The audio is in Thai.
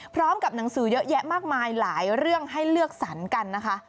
พร้อมกับหนังสือเยอะแยะมากมายหลายเรื่องให้เลือกสรรกันนะคะ